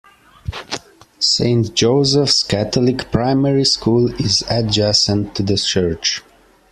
Saint Joseph's Catholic Primary School is adjacent to the church.